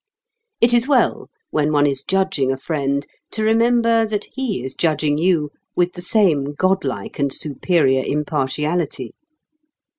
It is well, when one is judging a friend, to remember that he is judging you with the same godlike and superior impartiality.